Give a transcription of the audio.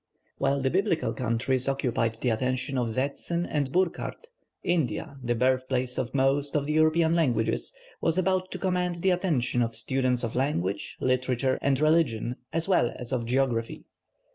While the Biblical countries occupied the attention of Seetzen and Burckhardt, India, the birthplace of most of the European languages, was about to command the attention of students of language, literature, and religion, as well as of geography.